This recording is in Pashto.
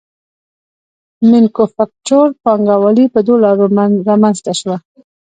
مینوفکچور پانګوالي په دوو لارو رامنځته شوه